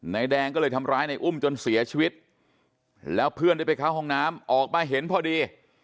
นายแดงก็เลยทำร้ายในอุ้มจนเสียชีวิตแล้วเพื่อนได้ไปเข้าห้องน้ำออกมาเห็นพอดี